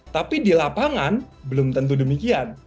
tapi di lapangan belum tentu demikian